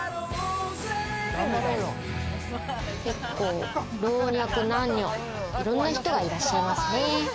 結構、老若男女いろんな人がいらっしゃいますね。